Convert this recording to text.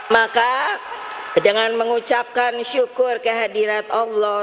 maka dengan mengucapkan syukur kehadirat allah